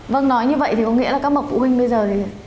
vâng nói như vậy thì có nghĩa là các bậc phụ huynh bây giờ thì